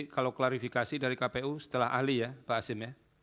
kalau klarifikasi dari kpu setelah ahli ya pak asin ya